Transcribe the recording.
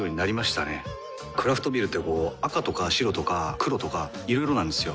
クラフトビールってこう赤とか白とか黒とかいろいろなんですよ。